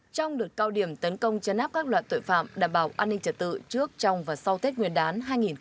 trong đợt cao điểm tấn công chấn áp các loại tội phạm đảm bảo an ninh trật tự trước trong và sau tết nguyên đán hai nghìn hai mươi bốn